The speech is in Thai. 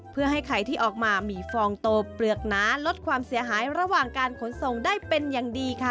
เพื่อให้ไข่ที่ออกมามีฟองโตเปลือกหนาลดความเสียหายระหว่างการขนส่งได้เป็นอย่างดีค่ะ